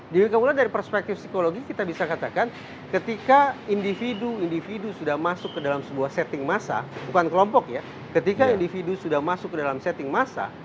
jadi kemudian dari perspektif psikologi kita bisa katakan ketika individu individu sudah masuk ke dalam sebuah setting masa bukan kelompok ya ketika individu sudah masuk ke dalam setting masa